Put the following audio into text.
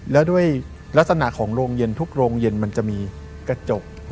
แล้วด้วยลักษณะของโรงเย็นทุกโรงเย็นมันจะมีกระจก